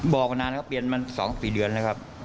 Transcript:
บอกว่านานแล้วเปลี่ยนมัน๒๓เดือนแล้วครับ